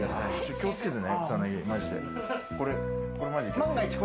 気をつけてね。